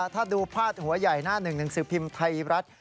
ถ้าดูพาดหัวใหญ่หน้าหนึ่งหนังสือพิมพ์ไทยรัฐ